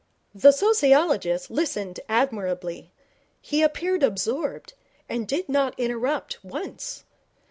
The sociologist listened admirably. He appeared absorbed, and did not interrupt once.